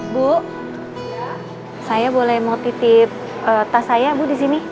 bu saya boleh mau titip tas saya bu di sini